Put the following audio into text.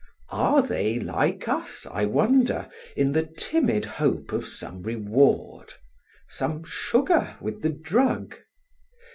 Are they like us, I wonder in the timid hope of some reward, some sugar with the drug?